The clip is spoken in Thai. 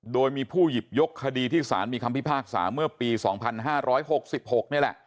โดยมีผู้หยิบยกคดีที่สารมีคำพิพากษาเมื่อปี๒๕๖๖นี่แหละ